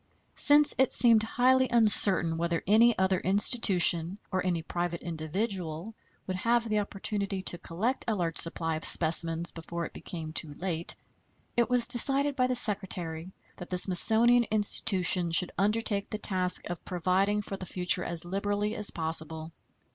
Since it seemed highly uncertain whether any other institution, or any private individual, would have the opportunity to collect a large supply of specimens before it became too late, it was decided by the Secretary that the Smithsonian Institution should undertake the task of providing for the future as liberally as possible.